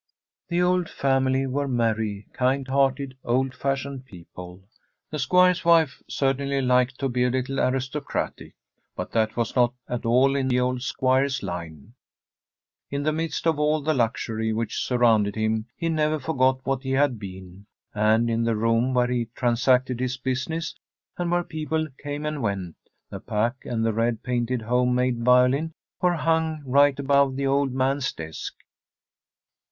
The old family were merry, kind hearted, old fashioned people. The Squire's wife certainly liked to be a little aristocratic ; but that was not at all in the old Squire's line. In the midst of all the luxury which surrounded him he never forgot what he had been, and in the room where he transacted his business, and where people [ao] The STORY of a COUNTRY HOUSE came and went, the pack and the red painted, home made violin were hung right above the old man's desk.